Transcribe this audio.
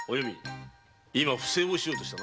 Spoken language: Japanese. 今不正をしようとしたな？